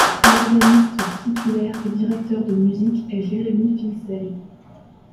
L'organiste titulaire et directeur de musique est Jeremy Filsell.